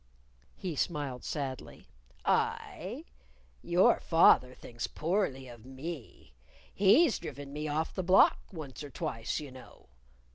He smiled sadly. "I? Your father thinks poorly of me. He's driven me off the block once or twice, you know.